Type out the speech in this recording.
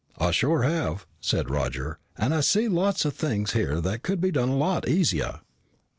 "I sure have," said Roger. "And I see a lot of things here that could be done a lot easier."